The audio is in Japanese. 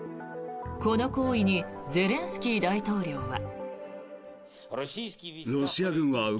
この行為にゼレンスキー大統領は。